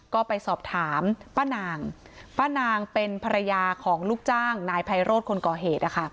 ก็ไปสอบถามป้านางป้านางเป็นภรรยาของลูกจ้างนายไพโรธคนก่อเหตุ